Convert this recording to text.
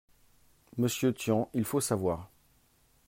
Monsieur Tian, il faut savoir